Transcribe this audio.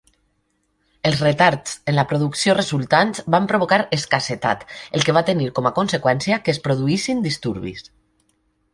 Els retards en la producció resultants van provocar escassetat, el que va tenir com a conseqüència que es produïssin disturbis.